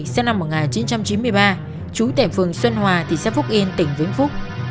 sinh năm một nghìn chín trăm chín mươi ba trú tại phường xuân hòa thị xã phúc yên tỉnh vĩnh phúc